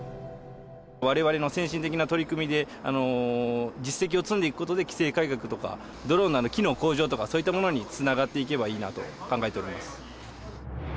われわれの先進的な取り組みで実績を積んでいくことで、規制改革とか、ドローンの機能向上とか、そういったものにつながっていけばいいなと考えております。